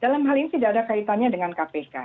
dalam hal ini tidak ada kaitannya dengan kpk